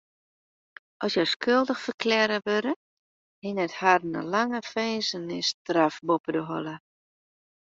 As hja skuldich ferklearre wurde, hinget harren in lange finzenisstraf boppe de holle.